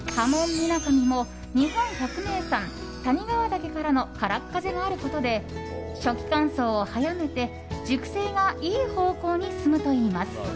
みなかみも日本百名山・谷川岳からの空っ風があることで初期乾燥を早めて熟成がいい方向に進むといいます。